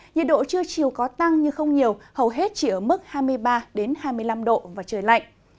nhiệt độ trưa chiều có tăng nhưng không nhiều hầu hết chỉ ở mức hai mươi ba hai mươi năm độ và trời lạnh